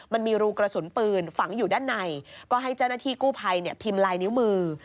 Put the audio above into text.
มันมีรูกระสุนปืนฝังอยู่ด้านในก็ให้เจ้าหน้าที่กู้ภัยพิมพ์ลายนิ้วมือ